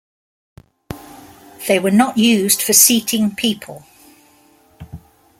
They were not used for seating people.